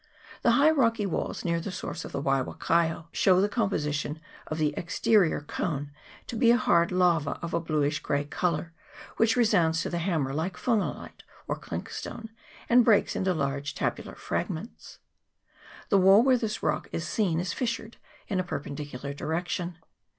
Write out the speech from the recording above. The high rocky walls, near the source of the Wai wakaio, show the composition of the exterior cone to be a hard lava of a bluish grey colour, which resounds to the hammer like phonolite or clink 158 NATIVE TRADITION. [PART I. stone, and breaks into large tabular fragments. The wall where this rock is seen is fissured in a perpen dicular direction.